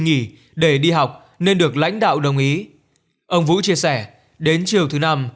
nghỉ để đi học nên được lãnh đạo đồng ý ông vũ chia sẻ đến chiều thứ năm